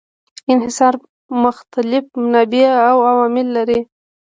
انحصار مختلف منابع او عوامل لري.